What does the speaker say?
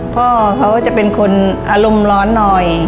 พ่อเขาจะเป็นคนอารมณ์ร้อนหน่อย